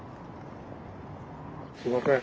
すみません。